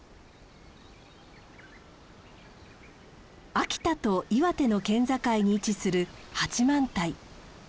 秋田と岩手の県境に位置する八幡平。